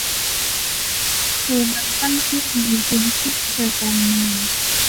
โซนนั้นตั้งขึ้นในพื้นที่ใจกลางเมือง